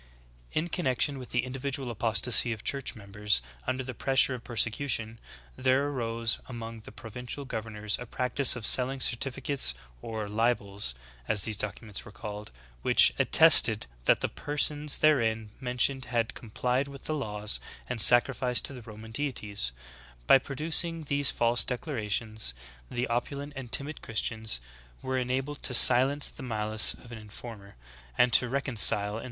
"*^ 6. In connection with this individual apostasy of Church members under the pressure of persecution, there arose among the provincial governors a practice ot selling certi ficates or "libels" as these documents were called, which "at tested that the persons therein_jnentioned had__complied with the laws and°"sacrificed to the Roman deities^ By produc iiiglEeie Talse declarations, the opulent and timid Christians were enabled to silence the malice of an informer, and to reconcile, in som.